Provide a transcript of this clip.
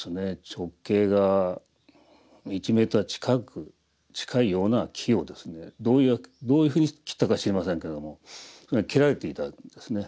直径が１ｍ近く近いような木をですねどういうふうに切ったか知りませんけども切られていたんですね。